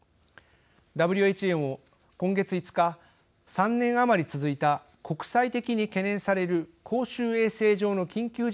ＷＨＯも今月５日３年余り続いた国際的に懸念される公衆衛生上の緊急事態の宣言を終了しました。